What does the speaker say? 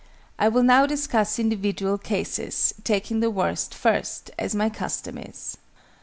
I will now discuss individual cases, taking the worst first, as my custom is.